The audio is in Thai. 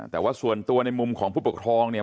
แต่ว่าส่วนตัวในมุมของผู้ปกครองเนี่ย